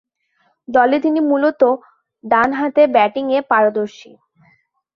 দলে তিনি মূলতঃ ডানহাতে ব্যাটিংয়ে পারদর্শী।